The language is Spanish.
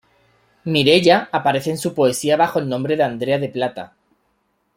Mireya, aparece en su poesía bajo el nombre de "Andrea de Plata".